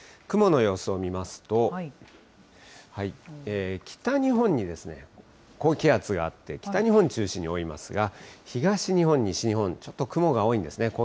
雲の様子を見ますと、北日本に高気圧があって、北日本中心に覆いますが、東日本、西日本、ちょっと雲が多いんですね。